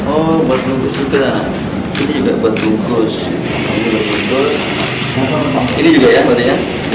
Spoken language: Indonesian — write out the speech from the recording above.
oh buat bungkus juga ini juga buat bungkus